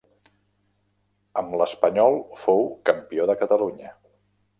Amb l'Espanyol fou campió de Catalunya.